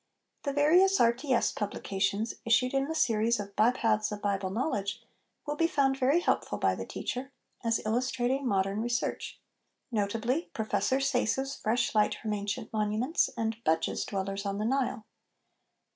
The various R.T.S. publications issued in the series of Bypaths of Bible Knowledge will be found very helpful by the teacher, as illustrating modern re search ; notably, Professor Sayce's Fresh Light from Ancient Monuments, and Budge's Dwellers on the Nile.